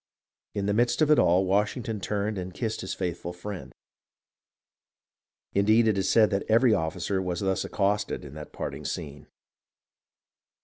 In the midst of it all, Washington turned and kissed his faithful friend. Indeed, it is said that every officer was thus accosted in that parting scene.